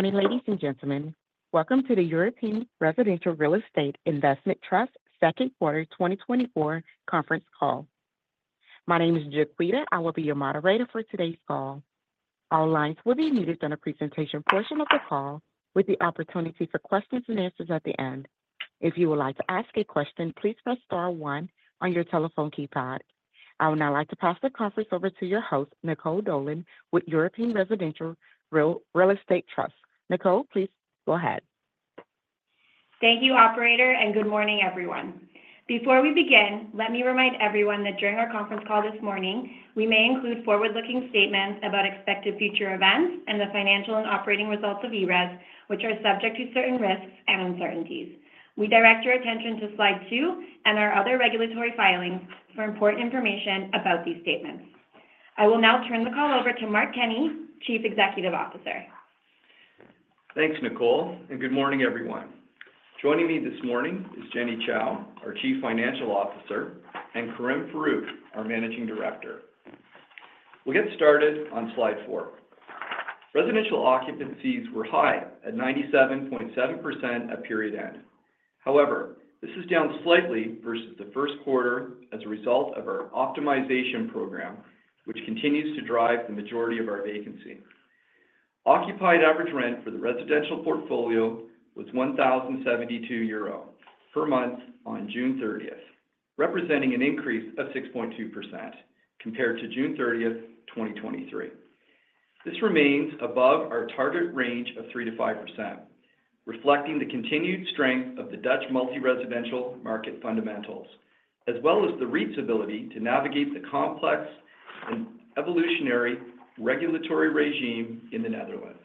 Good morning, ladies and gentlemen. Welcome to the European Residential Real Estate Investment Trust second quarter 2024 conference call. My name is Jaquita. I will be your moderator for today's call. All lines will be muted during the presentation portion of the call, with the opportunity for questions and answers at the end. If you would like to ask a question, please press star one on your telephone keypad. I would now like to pass the conference over to your host, Nicole Dolan, with European Residential Real Estate Investment Trust. Nicole, please go ahead. Thank you, operator, and good morning, everyone. Before we begin, let me remind everyone that during our conference call this morning, we may include forward-looking statements about expected future events and the financial and operating results of ERES, which are subject to certain risks and uncertainties. We direct your attention to slide two and our other regulatory filings for important information about these statements. I will now turn the call over to Mark Kenney, Chief Executive Officer. Thanks, Nicole, and good morning, everyone. Joining me this morning is Jenny Chou, our Chief Financial Officer, and Karim Farooq, our Managing Director. We'll get started on slide four. Residential occupancies were high at 97.7% at period end. However, this is down slightly versus the first quarter as a result of our optimization program, which continues to drive the majority of our vacancy. Occupied average rent for the residential portfolio was 1,072 euro per month on June 30, representing an increase of 6.2% compared to June 30, 2023. This remains above our target range of 3%-5%, reflecting the continued strength of the Dutch multi-residential market fundamentals, as well as the REIT's ability to navigate the complex and evolutionary regulatory regime in the Netherlands.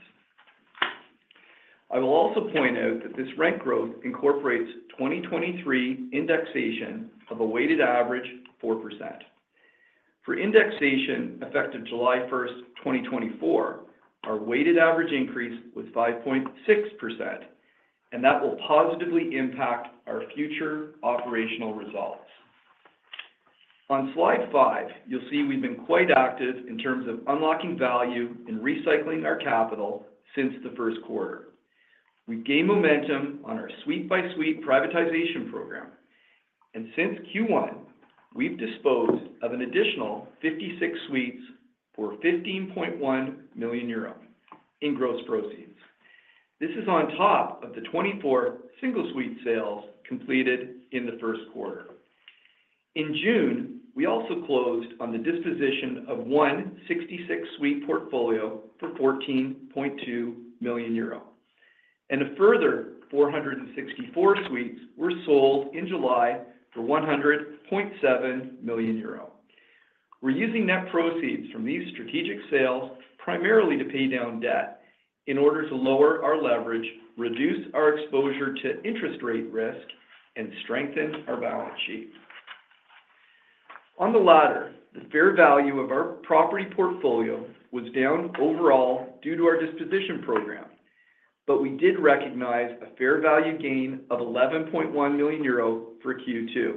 I will also point out that this rent growth incorporates 2023 indexation of a weighted average of 4%. For indexation effective July 1, 2024, our weighted average increase was 5.6%, and that will positively impact our future operational results. On slide 5, you'll see we've been quite active in terms of unlocking value and recycling our capital since the first quarter. We gained momentum on our suite-by-suite privatization program, and since Q1, we've disposed of an additional 56 suites for 15.1 million euro in gross proceeds. This is on top of the 24 single-suite sales completed in the first quarter. In June, we also closed on the disposition of 166-suite portfolio for 14.2 million euro, and a further 464 suites were sold in July for 100.7 million euro. We're using net proceeds from these strategic sales primarily to pay down debt in order to lower our leverage, reduce our exposure to interest rate risk, and strengthen our balance sheet. On the latter, the fair value of our property portfolio was down overall due to our disposition program, but we did recognize a fair value gain of 11.1 million euro for Q2,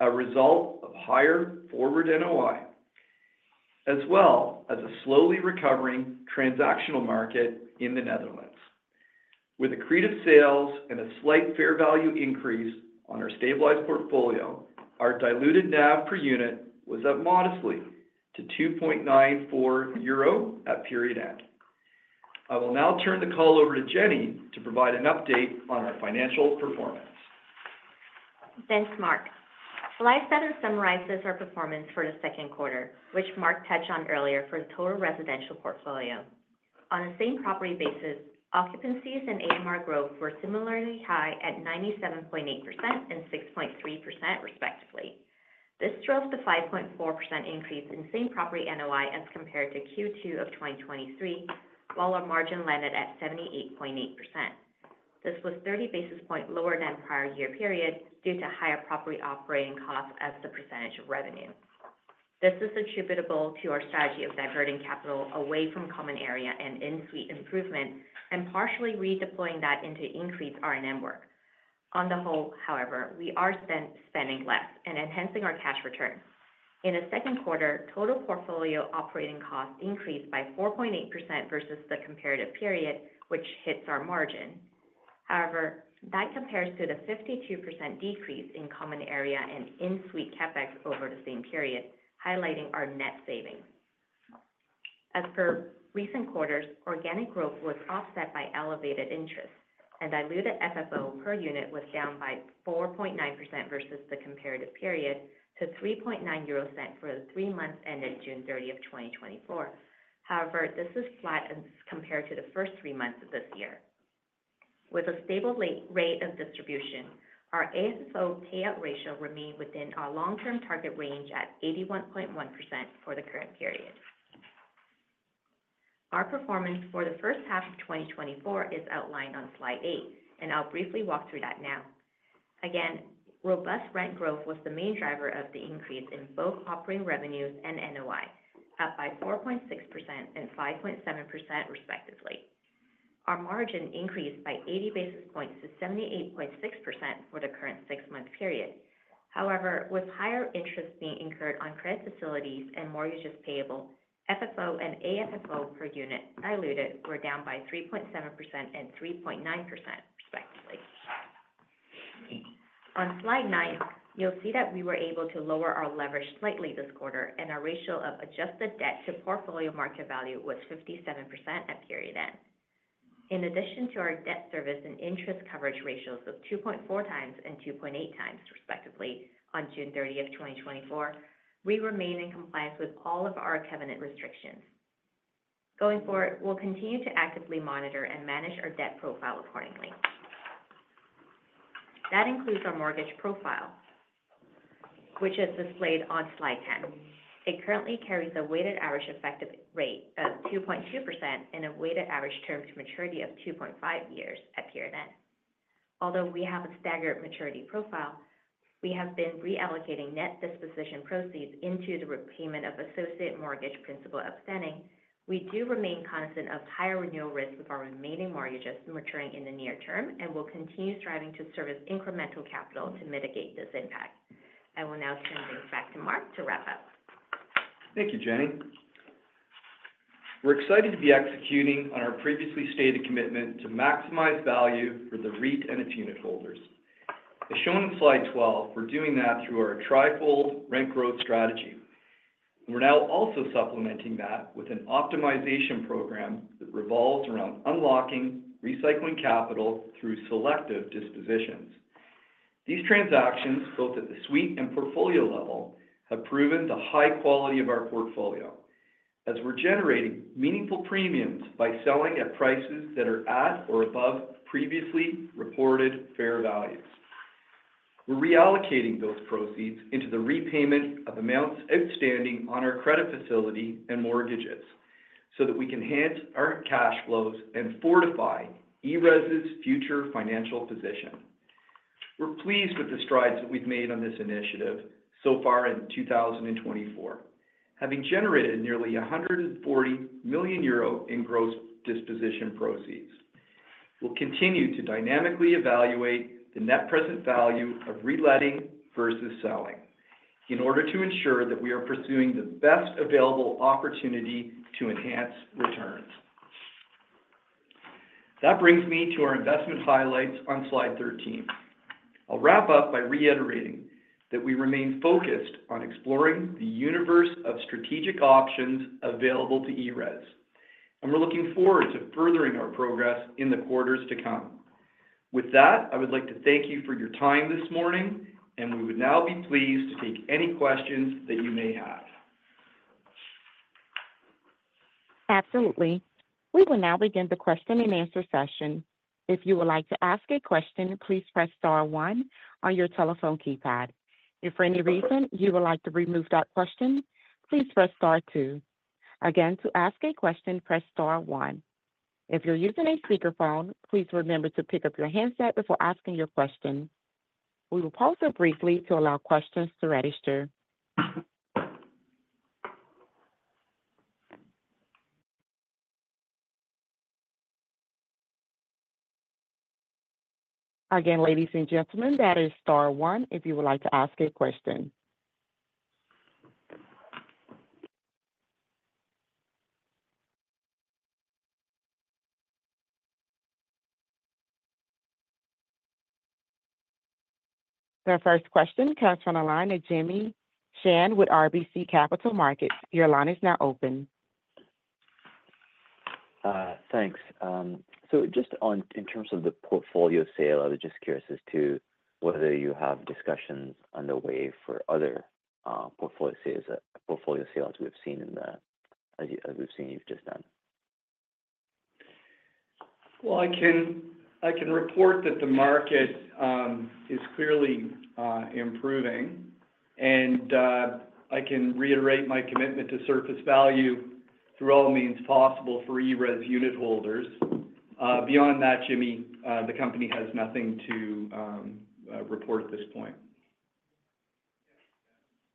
a result of higher forward NOI, as well as a slowly recovering transactional market in the Netherlands. With accretive sales and a slight fair value increase on our stabilized portfolio, our diluted NAV per unit was up modestly to 2.94 euro at period end. I will now turn the call over to Jenny to provide an update on our financial performance. Thanks, Mark. Slide 7 summarizes our performance for the second quarter, which Mark touched on earlier for the total residential portfolio. On the same property basis, occupancies and AMR growth were similarly high at 97.8% and 6.3%, respectively. This drove the 5.4% increase in same property NOI as compared to Q2 of 2023, while our margin landed at 78.8%. This was 30 basis points lower than prior year period due to higher property operating costs as the percentage of revenue. This is attributable to our strategy of diverting capital away from common area and in-suite improvement, and partially redeploying that into increased R&M work. On the whole, however, we are spending less and enhancing our cash return. In the second quarter, total portfolio operating costs increased by 4.8% versus the comparative period, which hits our margin. However, that compares to the 52% decrease in common area and in-suite CapEx over the same period, highlighting our net savings. As for recent quarters, organic growth was offset by elevated interest, and diluted FFO per unit was down by 4.9% versus the comparative period to 0.039 for the three months ended June 30, 2024. However, this is flat as compared to the first three months of this year. With a stable rate of distribution, our AFFO payout ratio remained within our long-term target range at 81.1% for the current period. Our performance for the first half of 2024 is outlined on slide 8, and I'll briefly walk through that now. Again, robust rent growth was the main driver of the increase in both operating revenues and NOI, up by 4.6% and 5.7%, respectively. Our margin increased by 80 basis points to 78.6% for the current six-month period. However, with higher interest being incurred on credit facilities and mortgages payable, FFO and AFFO per unit diluted were down by 3.7% and 3.9% respectively. On slide 9, you'll see that we were able to lower our leverage slightly this quarter, and our ratio of Adjusted Debt to Portfolio Market Value was 57% at period end. In addition to our Debt Service Coverage Ratio and Interest Coverage Ratio of 2.4 times and 2.8 times, respectively, on June 30, 2024, we remain in compliance with all of our covenant restrictions. Going forward, we'll continue to actively monitor and manage our debt profile accordingly. That includes our mortgage profile, which is displayed on slide 10. It currently carries a weighted average effective rate of 2.2% and a weighted average term to maturity of 2.5 years at period end. Although we have a staggered maturity profile, we have been reallocating net disposition proceeds into the repayment of associate mortgage principal outstanding. We do remain cognizant of higher renewal risk with our remaining mortgages maturing in the near term, and we'll continue striving to service incremental capital to mitigate this impact. I will now turn things back to Mark to wrap up. Thank you, Jenny. We're excited to be executing on our previously stated commitment to maximize value for the REIT and its unitholders. As shown in Slide 12, we're doing that through our trifold rent growth strategy. We're now also supplementing that with an optimization program that revolves around unlocking, recycling capital through selective dispositions. These transactions, both at the suite and portfolio level, have proven the high quality of our portfolio, as we're generating meaningful premiums by selling at prices that are at or above previously reported fair values. We're reallocating those proceeds into the repayment of amounts outstanding on our credit facility and mortgages, so that we can enhance our cash flows and fortify ERES's future financial position. We're pleased with the strides that we've made on this initiative so far in 2024, having generated nearly 140 million euro in gross disposition proceeds. We'll continue to dynamically evaluate the net present value of reletting versus selling in order to ensure that we are pursuing the best available opportunity to enhance returns. That brings me to our investment highlights on slide 13. I'll wrap up by reiterating that we remain focused on exploring the universe of strategic options available to ERES, and we're looking forward to furthering our progress in the quarters to come. With that, I would like to thank you for your time this morning, and we would now be pleased to take any questions that you may have. Absolutely. We will now begin the question and answer session. If you would like to ask a question, please press star one on your telephone keypad. If for any reason you would like to remove that question, please press star two. Again, to ask a question, press star one. If you're using a speakerphone, please remember to pick up your handset before asking your question. We will pause here briefly to allow questions to register. Again, ladies and gentlemen, that is star one if you would like to ask a question. Our first question comes from the line of Jimmy Shan with RBC Capital Markets. Your line is now open. Thanks. So just on in terms of the portfolio sale, I was just curious as to whether you have discussions underway for other portfolio sales, portfolio sales we've seen in the, as we've seen, you've just done? Well, I can, I can report that the market is clearly improving, and I can reiterate my commitment to surface value through all means possible for ERES unitholders. Beyond that, Jimmy, the company has nothing to report at this point.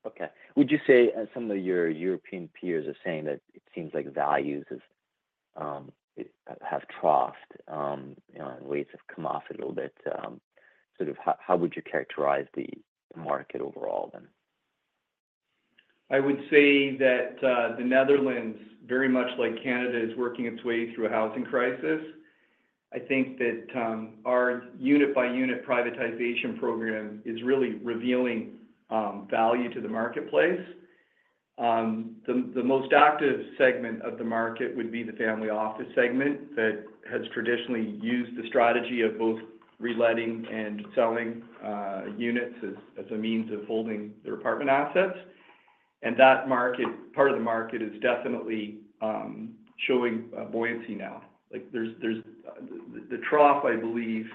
Okay. Would you say, as some of your European peers are saying, that it seems like values is, it has troughed, you know, and rates have come off a little bit... Sort of, how would you characterize the market overall then? I would say that, the Netherlands, very much like Canada, is working its way through a housing crisis. I think that, our unit-by-unit privatization program is really revealing, value to the marketplace. The most active segment of the market would be the family office segment that has traditionally used the strategy of both reletting and selling, units as a means of holding their apartment assets, and that market, part of the market is definitely, showing, buoyancy now. Like, there's the trough, I believe,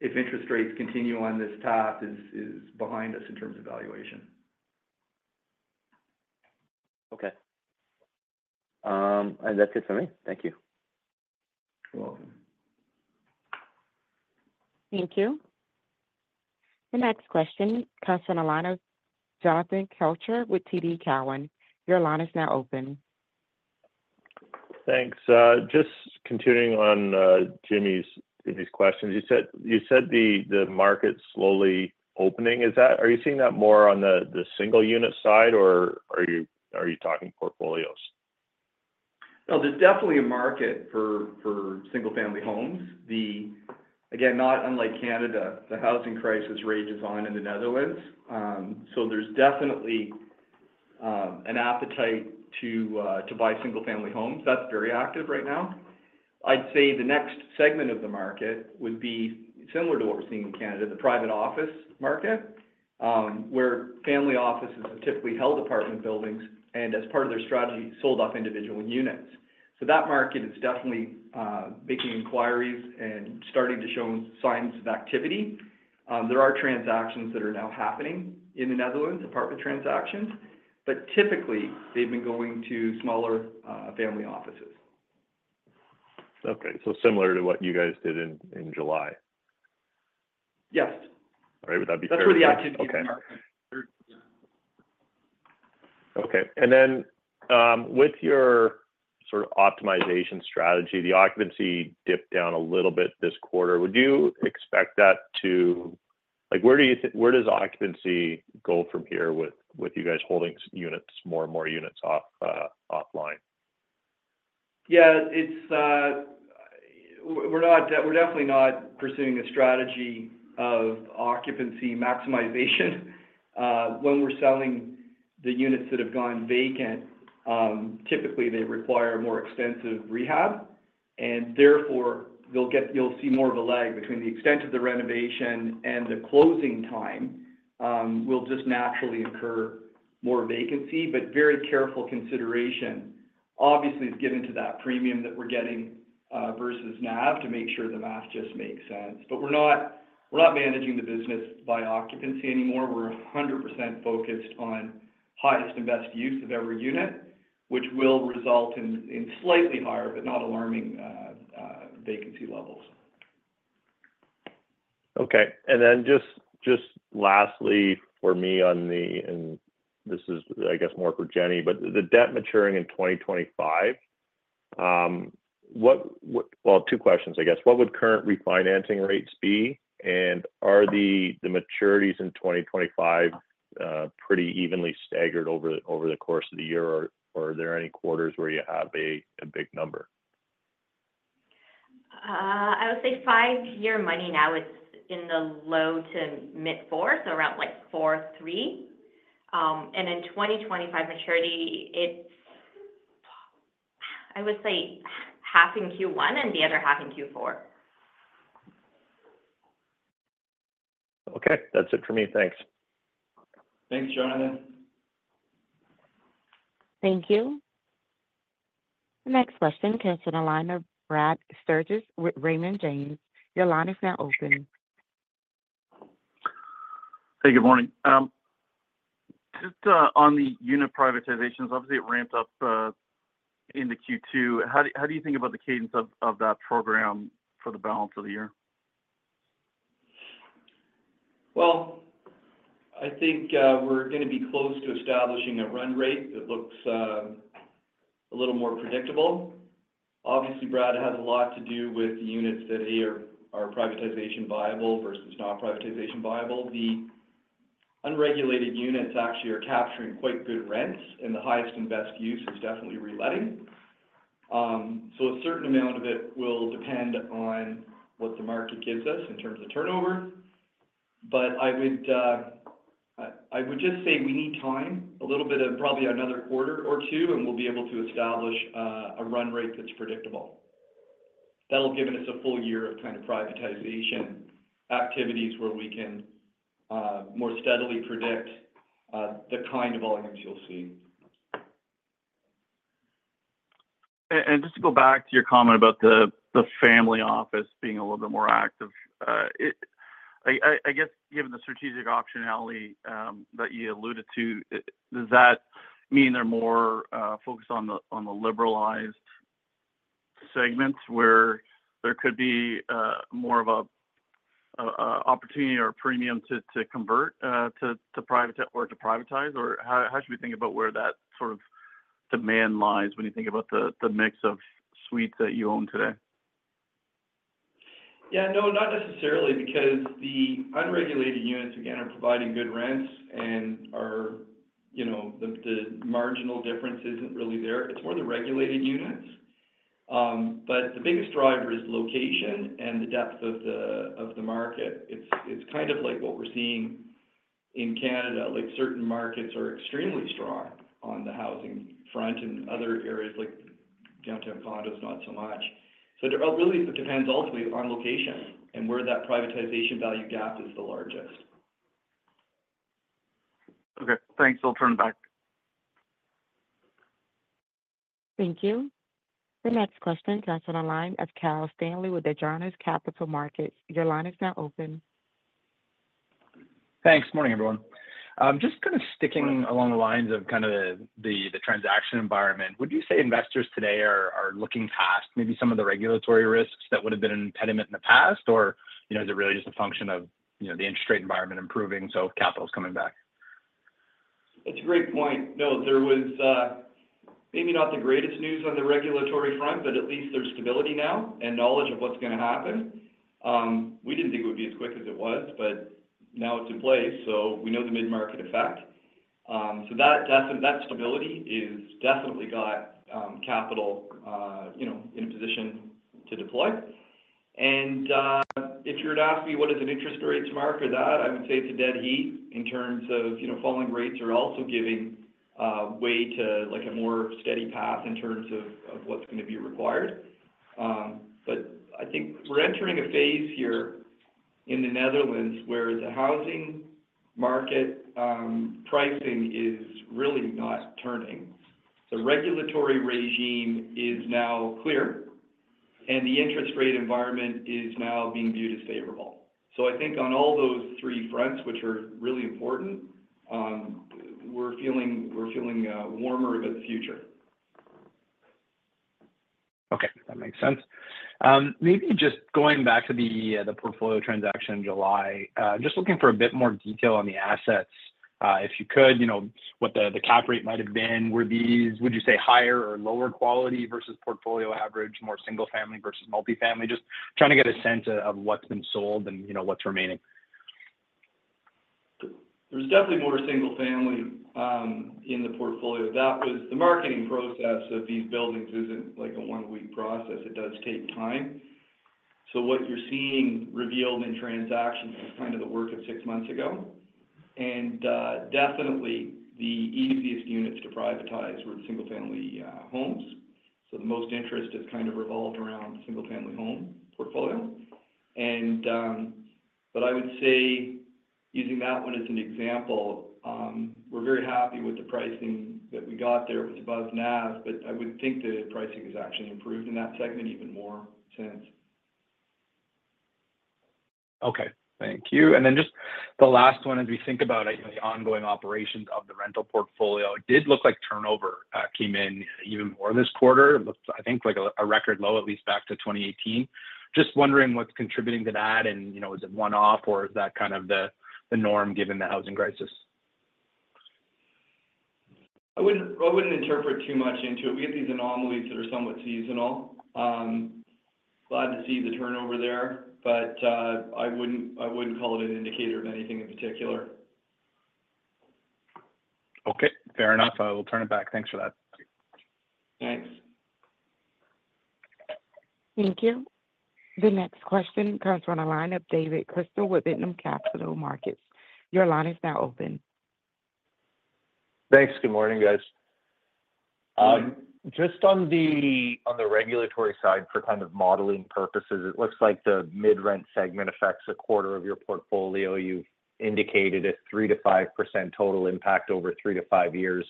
if interest rates continue on this path, is behind us in terms of valuation. Okay. And that's it for me. Thank you. You're welcome. Thank you. The next question comes from the line of Jonathan Kelcher with TD Cowen. Your line is now open.... Thanks. Just continuing on, Jimmy's questions. You said the market's slowly opening. Is that—are you seeing that more on the single unit side, or are you talking portfolios? No, there's definitely a market for single-family homes. The, again, not unlike Canada, the housing crisis rages on in the Netherlands. So there's definitely an appetite to buy single-family homes. That's very active right now. I'd say the next segment of the market would be similar to what we're seeing in Canada, the private office market, where family offices have typically held apartment buildings, and as part of their strategy, sold off individual units. So that market is definitely making inquiries and starting to show signs of activity. There are transactions that are now happening in the Netherlands, apartment transactions, but typically, they've been going to smaller family offices. Okay. So similar to what you guys did in July? Yes. All right. Would that be fair? That's where the activity is in the market. Okay. And then, with your sort of optimization strategy, the occupancy dipped down a little bit this quarter. Would you expect that to... Like, where does occupancy go from here with, with you guys holding units, more and more units off, offline? Yeah, it's, we're definitely not pursuing a strategy of occupancy maximization. When we're selling the units that have gone vacant, typically they require more extensive rehab, and therefore, you'll see more of a lag between the extent of the renovation and the closing time, will just naturally incur more vacancy, but very careful consideration. Obviously, it's getting to that premium that we're getting versus NAV to make sure the math just makes sense. But we're not managing the business by occupancy anymore. We're 100% focused on highest and best use of every unit, which will result in slightly higher, but not alarming, vacancy levels. Okay. And then just lastly for me on the—and this is, I guess, more for Jenny, but the debt maturing in 2025, what—Well, two questions, I guess. What would current refinancing rates be, and are the maturities in 2025 pretty evenly staggered over the course of the year, or are there any quarters where you have a big number? I would say five-year money now is in the low- to mid-4, so around like 4.3. And in 2025 maturity, it's, I would say, half in Q1 and the other half in Q4. Okay. That's it for me. Thanks. Thanks, Jonathan. Thank you. The next question comes on the line of Brad Sturges with Raymond James. Your line is now open. Hey, good morning. Just on the unit privatizations, obviously, it ramped up into Q2. How do you think about the cadence of that program for the balance of the year? Well, I think, we're gonna be close to establishing a run rate that looks a little more predictable. Obviously, Brad, it has a lot to do with the units that are privatization viable versus not privatization viable. The unregulated units actually are capturing quite good rents, and the highest and best use is definitely reletting. So a certain amount of it will depend on what the market gives us in terms of turnover. But I would, I would just say we need time, a little bit of probably another quarter or two, and we'll be able to establish a run rate that's predictable. That'll have given us a full year of kind of privatization activities where we can more steadily predict the kind of volumes you'll see. Just to go back to your comment about the family office being a little bit more active, I guess, given the strategic optionality that you alluded to, does that mean they're more focused on the liberalized segments where there could be more of a opportunity or a premium to convert to private or to privatize? Or how should we think about where that sort of demand lies when you think about the mix of suites that you own today? Yeah, no, not necessarily, because the unregulated units, again, are providing good rents and are, you know, the marginal difference isn't really there. It's more the regulated units. But the biggest driver is location and the depth of the market. It's kind of like what we're seeing in Canada. Like, certain markets are extremely strong on the housing front and other areas, like downtown condos, not so much. So it really depends ultimately on location and where that privatization value gap is the largest. Okay. Thanks. I'll turn back. Thank you. The next question comes on the line of Kyle Stanley with Desjardins Capital Markets. Your line is now open. Thanks. Morning, everyone. Just kind of sticking along the lines of kind of the transaction environment, would you say investors today are looking past maybe some of the regulatory risks that would have been an impediment in the past? Or, you know, is it really just a function of, you know, the interest rate environment improving, so capital is coming back?... That's a great point. No, there was maybe not the greatest news on the regulatory front, but at least there's stability now and knowledge of what's gonna happen. We didn't think it would be as quick as it was, but now it's in place, so we know the Mid-Market effect. So that, that, that stability is definitely got capital, you know, in a position to deploy. And if you were to ask me what is an interest rate to mark for that, I would say it's a dead heat in terms of, you know, falling rates are also giving way to, like, a more steady path in terms of, of what's gonna be required. But I think we're entering a phase here in the Netherlands where the housing market pricing is really not turning. The regulatory regime is now clear, and the interest rate environment is now being viewed as favorable. So I think on all those three fronts, which are really important, we're feeling warmer about the future. Okay, that makes sense. Maybe just going back to the portfolio transaction in July, just looking for a bit more detail on the assets. If you could, you know, what the cap rate might have been. Were these, would you say, higher or lower quality versus portfolio average, more single family versus multifamily? Just trying to get a sense of what's been sold and, you know, what's remaining. There's definitely more single-family in the portfolio. That, the marketing process of these buildings, isn't like a one-week process. It does take time. So what you're seeing revealed in transactions is kind of the work of six months ago. And definitely, the easiest units to privatize were single-family homes. So the most interest is kind of revolved around single-family home portfolio. But I would say, using that one as an example, we're very happy with the pricing that we got there with above NAV, but I would think the pricing has actually improved in that segment even more since. Okay, thank you. And then just the last one, as we think about, you know, the ongoing operations of the rental portfolio, it did look like turnover came in even more this quarter. It looked, I think, like a record low, at least back to 2018. Just wondering what's contributing to that, and, you know, is it one-off or is that kind of the norm given the housing crisis? I wouldn't interpret too much into it. We get these anomalies that are somewhat seasonal. Glad to see the turnover there, but I wouldn't call it an indicator of anything in particular. Okay, fair enough. I will turn it back. Thanks for that. Thanks. Thank you. The next question comes from a line of David Chrystal with Echelon Capital Markets. Your line is now open. Thanks. Good morning, guys. Just on the regulatory side, for kind of modeling purposes, it looks like the Mid-Market segment affects a quarter of your portfolio. You've indicated a 3%-5% total impact over 3-5 years.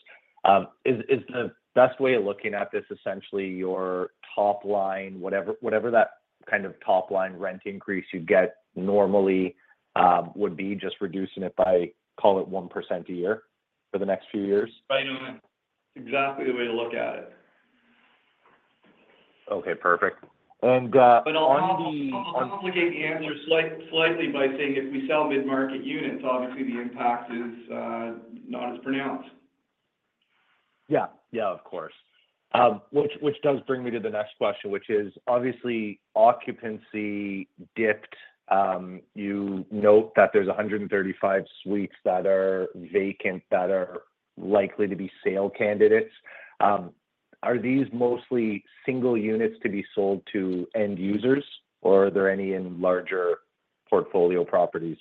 Is the best way of looking at this essentially your top line, whatever, whatever that kind of top-line rent increase you get normally, would be just reducing it by, call it, 1% a year for the next few years? Right on. It's exactly the way to look at it. Okay, perfect. And, on the- But I'll complicate the answer slightly by saying if we sell mid-market units, obviously the impact is not as pronounced. Yeah. Yeah, of course. Which does bring me to the next question, which is, obviously, occupancy dipped. You note that there's 135 suites that are vacant that are likely to be sale candidates. Are these mostly single units to be sold to end users, or are there any in larger portfolio properties?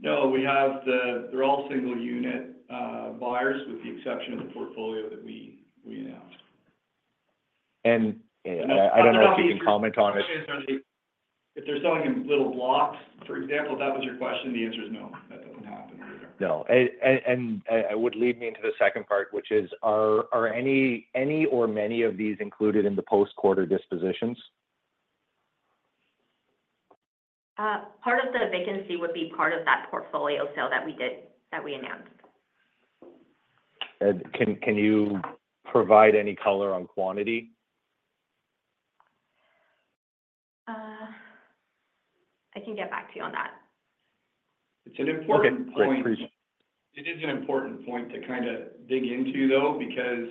No, we have the, they're all single-unit buyers, with the exception of the portfolio that we, we announced. I don't know if you can comment on it- If they're selling in little blocks, for example, if that was your question, the answer is no. That doesn't happen. No. And it would lead me into the second part, which is, are any or many of these included in the post-quarter dispositions? Part of the vacancy would be part of that portfolio sale that we did, that we announced. Can you provide any color on quantity? I can get back to you on that. It's an important point- Okay, great. Appreciate. It is an important point to kinda dig into, though, because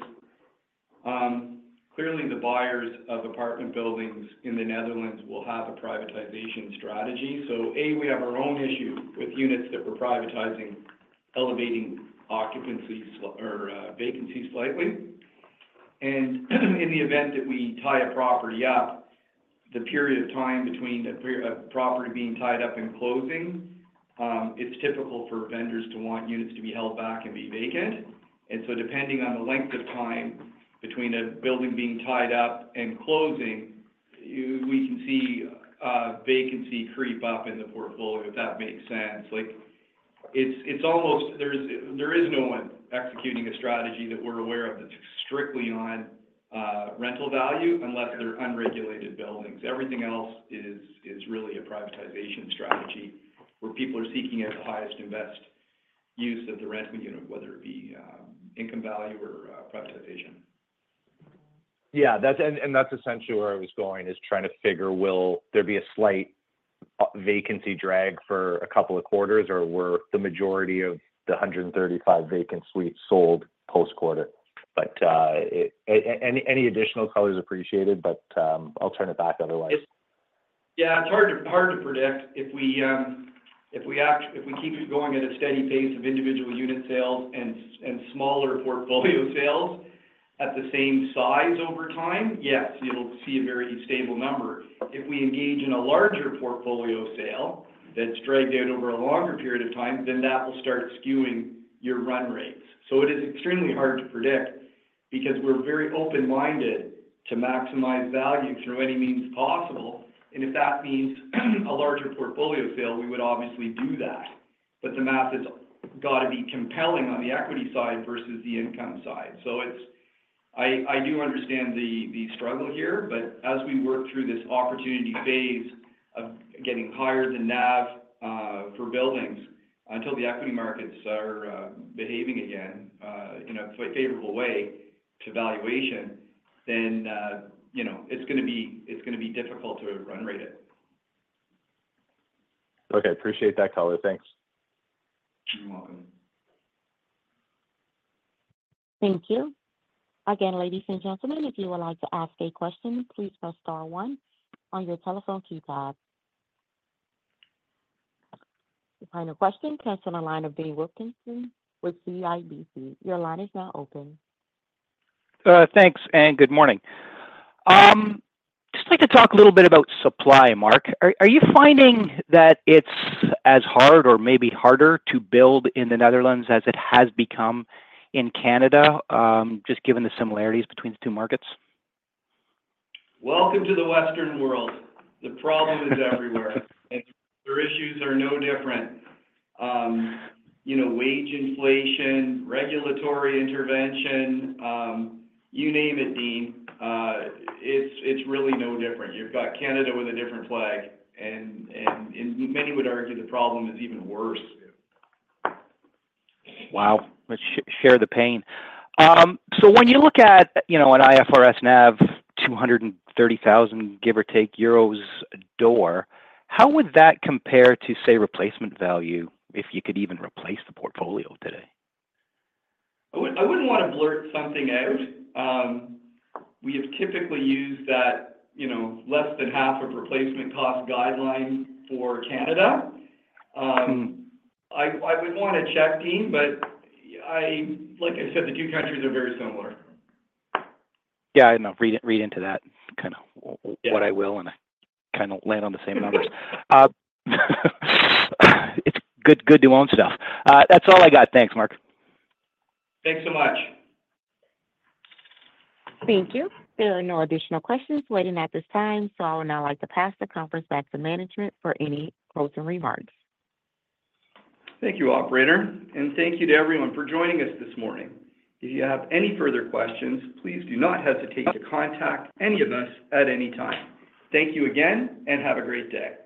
clearly, the buyers of apartment buildings in the Netherlands will have a privatization strategy. So, A, we have our own issue with units that we're privatizing, elevating occupancy or vacancy slightly. And in the event that we tie a property up, the period of time between a property being tied up and closing, it's typical for vendors to want units to be held back and be vacant. And so depending on the length of time between a building being tied up and closing, we can see vacancy creep up in the portfolio, if that makes sense. Like, it's almost there is no one executing a strategy that we're aware of that's strictly on rental value unless they're unregulated buildings. Everything else is really a privatization strategy, where people are seeking at the highest and best use of the rental unit, whether it be income value or privatization.... Yeah, that's-- and, and that's essentially where I was going, is trying to figure, will there be a slight vacancy drag for a couple of quarters, or were the majority of the 135 vacant suites sold post-quarter? But, any additional color is appreciated, but, I'll turn it back otherwise. It's yeah, it's hard to, hard to predict. If we, if we keep it going at a steady pace of individual unit sales and, and smaller portfolio sales at the same size over time, yes, you'll see a very stable number. If we engage in a larger portfolio sale that's dragged out over a longer period of time, then that will start skewing your run rates. So it is extremely hard to predict because we're very open-minded to maximize value through any means possible, and if that means a larger portfolio sale, we would obviously do that. But the math has gotta be compelling on the equity side versus the income side. So it's I, I do understand the, the struggle here, but as we work through this opportunity phase of getting higher than NAV for buildings, until the equity markets are behaving again in a favorable way to valuation, then you know, it's gonna be, it's gonna be difficult to run rate it. Okay. Appreciate that color. Thanks. You're welcome. Thank you. Again, ladies and gentlemen, if you would like to ask a question, please press star one on your telephone keypad. Your final question comes from the line of Dean Wilkinson with CIBC. Your line is now open. Thanks, and good morning. Just like to talk a little bit about supply, Mark. Are you finding that it's as hard or maybe harder to build in the Netherlands as it has become in Canada, just given the similarities between the two markets? Welcome to the Western world. The problem is everywhere, and their issues are no different. You know, wage inflation, regulatory intervention, you name it, Dean, it's really no different. You've got Canada with a different flag, and many would argue the problem is even worse. Wow! Let's share the pain. So when you look at, you know, an IFRS NAV 230,000, give or take, a door, how would that compare to, say, replacement value, if you could even replace the portfolio today? I wouldn't want to blurt something out. We have typically used that, you know, less than half of replacement cost guideline for Canada. Mm-hmm. I would want to check, Dean, but I... Like I said, the two countries are very similar. Yeah, I know. Read into that, kind of- Yeah... what I will, and I kind of land on the same numbers. It's good, good to own stuff. That's all I got. Thanks, Mark. Thanks so much. Thank you. There are no additional questions waiting at this time, so I would now like to pass the conference back to management for any closing remarks. Thank you, operator, and thank you to everyone for joining us this morning. If you have any further questions, please do not hesitate to contact any of us at any time. Thank you again, and have a great day.